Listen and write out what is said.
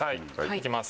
行きます！